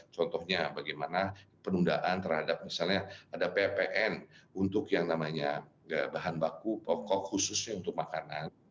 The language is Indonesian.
contohnya bagaimana penundaan terhadap misalnya ada ppn untuk yang namanya bahan baku pokok khususnya untuk makanan